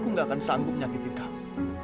aku gak akan sanggup menyakiti kamu